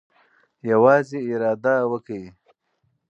یوازې اراده وکړئ.